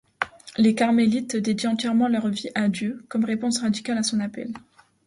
Les carmélites dédient entièrement leur vie à Dieu, comme réponse radicale à son appel.